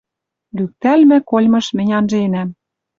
Лӱктӓлмӹ кольмыш мӹнь анженӓм —